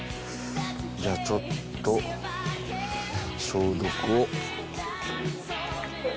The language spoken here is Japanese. じゃあちょっと消毒をして。